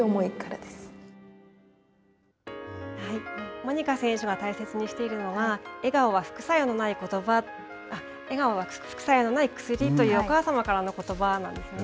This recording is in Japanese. モニカ選手が大切にしているのが、笑顔は副作用のない薬というお母様からのことばなんですね。